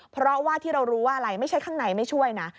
เพราะว่าที่เรารู้ว่าอะไรไม่ใช่ข้างในไม่ช่วยนะ